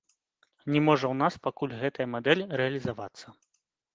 Не можа ў нас пакуль гэтая мадэль рэалізавацца.